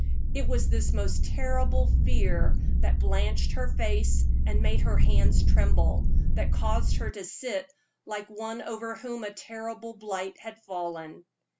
It was this most terrible fear that blanched her face and made her hands tremble, that caused her to sit like one over whom a terrible blight had fallen.